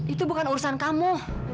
itu bukan urusan kamu